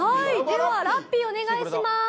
ではラッピーお願いします。